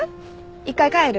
一回帰る？